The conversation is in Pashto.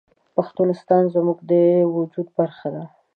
پښتونستان زموږ د وجود برخه ده